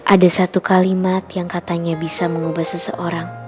ada satu kalimat yang katanya bisa mengubah seseorang